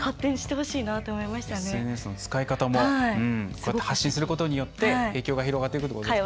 こうやって発信することによって影響が広がっていくってことですね。